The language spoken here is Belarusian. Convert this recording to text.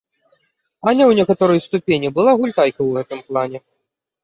Аня ў некаторай ступені была гультайка ў гэтым плане.